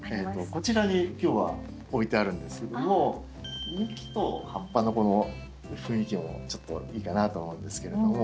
こちらに今日は置いてあるんですけども幹と葉っぱのこの雰囲気もちょっといいかなと思うんですけれども。